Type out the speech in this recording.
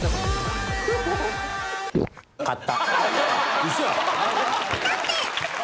勝った。